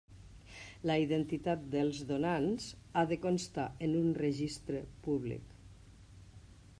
La identitat dels donants ha de constar en un registre públic.